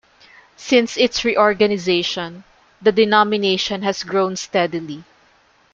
Since its reorganization, the denomination has grown steadily.